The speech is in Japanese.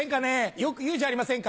よく言うじゃありませんか。